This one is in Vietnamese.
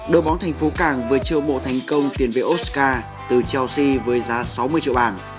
đội bóng thành phố cảng vừa trêu mộ thành công tiền về oscar từ chelsea với giá sáu mươi triệu bảng